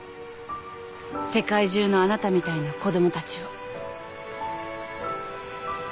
世界中のあなたみたいな子供たちを。